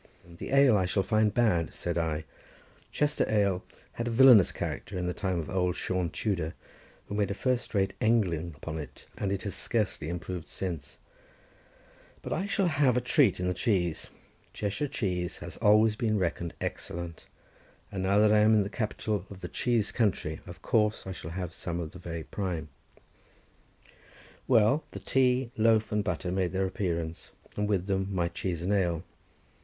"The ale I shall find bad," said I; Chester ale had a villainous character in the time of old Sion Tudor, who made a first rate englyn upon it, and it has scarcely improved since; "but I shall have a treat in the cheese, Cheshire cheese has always been reckoned excellent, and now that I am in the capital of the cheese country, of course I shall have some of the very prime." Well, the tea, loaf, and butter made their appearance, and with them my cheese and ale.